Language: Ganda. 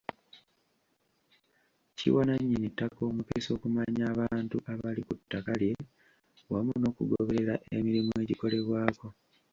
Kiwa nannyini ttaka omukisa okumanya abantu abali ku ttaka lye wamu n'okugoberera emirimu egikolebwako.